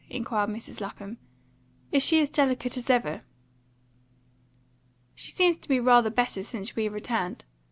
inquired Mrs. Lapham. "Is she as delicate as ever?" "She seems to be rather better since we returned."